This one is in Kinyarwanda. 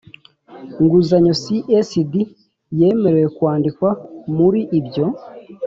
nguzanyo csd yemerewe kwandikwa muri ibyo